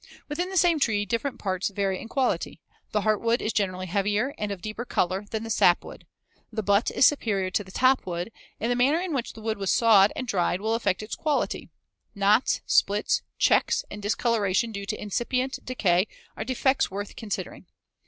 Within the same tree different parts vary in quality. The heartwood is generally heavier and of deeper color than the sapwood. The butt is superior to the top wood, and the manner in which the wood was sawed and dried will affect its quality. Knots, splits, checks, and discoloration due to incipient decay are defects worth considering.